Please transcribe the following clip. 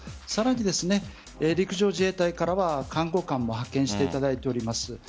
さらに陸上自衛隊からは看護官も派遣していただいております。